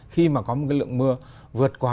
khi mà có một cái lượng mưa vượt quá